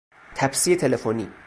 تپسی تلفنی